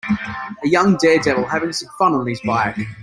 A young daredevil having some fun on his bike.